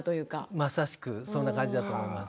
まさしくそんな感じだと思います。